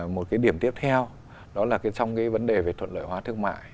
một cái điểm tiếp theo đó là trong cái vấn đề về thuận lợi hóa thương mại